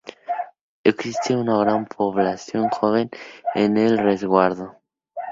Existe una gran población joven en el resguardo.